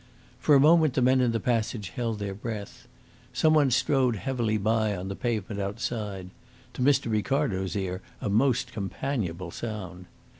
For a moment the men in the passage held their breath. Some one strode heavily by on the pavement outside to Mr. Ricardo's ear a most companionable sound.